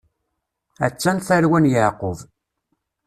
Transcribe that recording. A-tt-an tarwa n Yeɛqub.